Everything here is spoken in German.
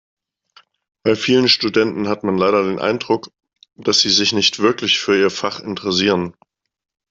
Bei vielen Studenten hat man leider den Eindruck, dass sie sich nicht wirklich für ihr Fach interessieren.